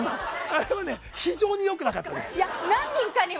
非常に良くなかったです。